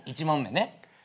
１問目ね。